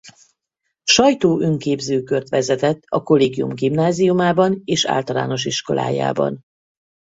Sajtó-önképzőkört vezetett a Kollégium gimnáziumában és általános iskolájában.